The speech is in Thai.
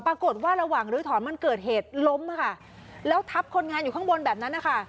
ปรากฏว่าระหว่างลื้อถอนมันเกิดเหตุล้มค่ะแล้วทับคนงานอยู่ข้างบนแบบนั้นนะคะ